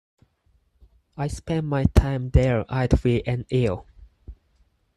I spent my time there idly and ill'.